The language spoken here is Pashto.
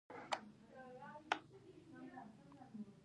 ان که محض زراعت هم وي.